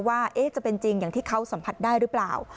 ว่าจะเป็นจริงอย่างที่เขาสัมผัสได้หรือเปล่า